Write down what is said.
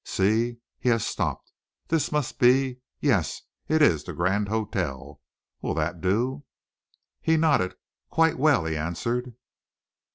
See, he has stopped. This must be yes, it is the Grand Hotel. Will that do?" He nodded. "Quite well," he answered.